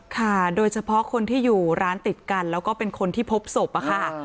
ค่ะโดยเฉพาะคนที่อยู่ร้านติดกันแล้วก็เป็นคนที่พบศพอะค่ะ